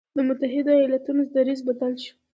د متحدو ایالتونو دریځ بدل شو.